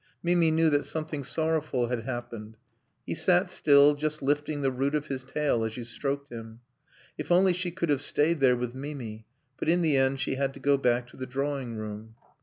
Mimi knew that something sorrowful had happened. He sat still, just lifting the root of his tail as you stroked him. If only she could have stayed there with Mimi; but in the end she had to go back to the drawing room.